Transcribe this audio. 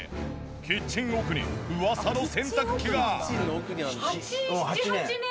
キッチン奥にうわさの洗濯機が。